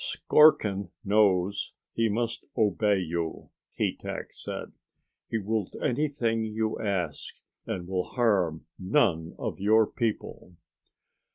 "Skorkin knows he must obey you," Keetack said. "He will do anything you ask, and will harm none of your people."